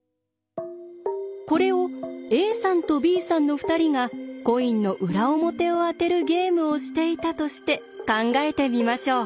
これをＡさんとＢさんの２人がコインの裏表を当てるゲームをしていたとして考えてみましょう。